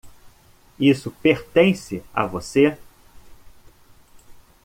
Isso pertence a você?